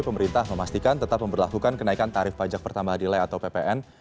pemerintah memastikan tetap memperlakukan kenaikan tarif pajak pertambahan delay atau ppn